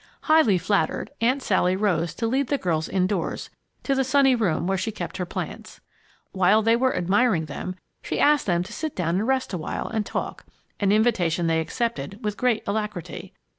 Highly flattered, Aunt Sally rose to lead the girls indoors to the sunny room where she kept her plants. While they were admiring them, she asked them to sit down and rest a while and talk an invitation they accepted with great alacrity.